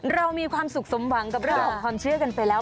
เรามีความสุขสมหวังกับเรื่องของความเชื่อกันไปแล้ว